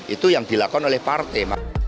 itu yang dilakukan oleh partai